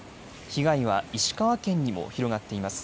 被害は石川県にも広がっています。